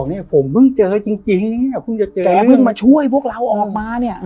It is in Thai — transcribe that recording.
ว่าผมเพิ่งเจอจริงแกเพิ่งมาช่วยพวกเราออกมาเนี่ย